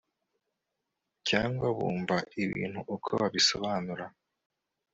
cyangwa bumva ibintu, uko babisobanura